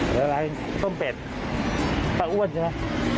อะไรอะไรต้มเป็ดปลาอ้วนใช่ไหม